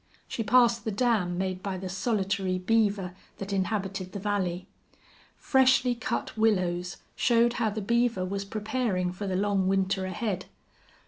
She passed the dam made by the solitary beaver that inhabited the valley. Freshly cut willows showed how the beaver was preparing for the long winter ahead.